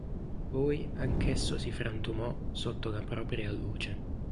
Poi anch'esso si frantumò sotto la propria luce.